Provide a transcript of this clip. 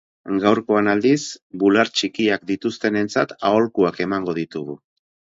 Gaurkoan aldiz, bular txikiak dituzuenentzat aholkuak emango ditugu.